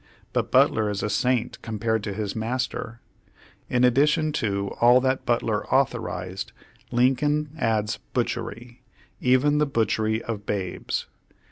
But Butler is a saint compared to his master. In addition to all that Butler authorized, Lincoln adds butchery — even the butchery of babes.